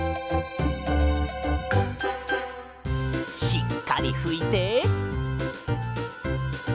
しっかりふいて。